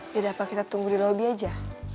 tidak apa kita tunggu di lobby aja